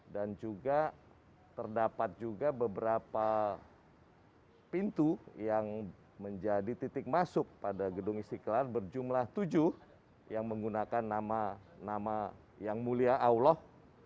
dan juga terdapat juga beberapa pintu yang menjadi titik masuk pada gedung istiqlal berjumlah tujuh yang menggunakan nama yang mulia allah